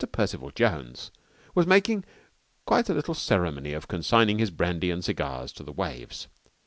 Percival Jones was making quite a little ceremony of consigning his brandy and cigars to the waves.